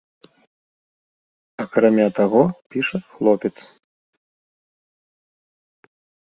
Акрамя таго, піша хлопец.